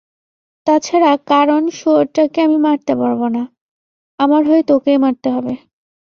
তাছাড়া কারণ শুয়োরটাকে আমি মারতে পারবো না, আমার হয়ে তোকেই মারতে হবে।